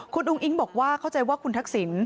คุณอุ้งอิ๊งบอกว่าเข้าใจว่าคุณทักษิณ